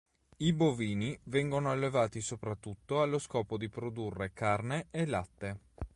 I bovini vengono allevati soprattutto allo scopo di produrre carne e latte.